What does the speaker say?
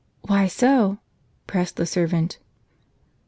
"Why so? " j)ressed the servant.